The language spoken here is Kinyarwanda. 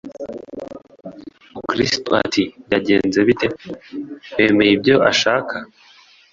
Mukristo ati: “Byagenze bite? Wemeye ibyo ashaka?